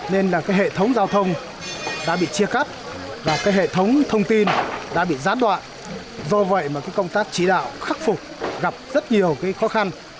nên là cái hệ thống giao thông đã bị chia cắt và cái hệ thống thông tin đã bị gián đoạn do vậy mà công tác chỉ đạo khắc phục gặp rất nhiều cái khó khăn